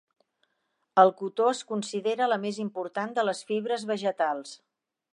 El cotó es considera la més important de les fibres vegetals.